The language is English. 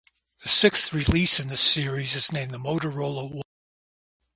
The sixth release in the series is named the Motorola One Macro.